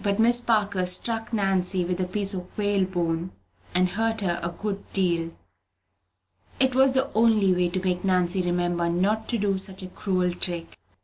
But Miss Parker struck Nancy with a piece of whalebone, and hurt her a good deal. It was the only way to make Nancy remember not to do such a cruel trick again.